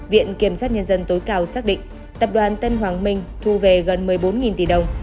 viện kiểm sát nhân dân tối cao xác định tập đoàn tân hoàng minh thu về gần một mươi bốn tỷ đồng